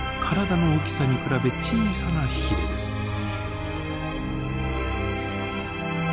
体の大きさに比べ小さなヒレです。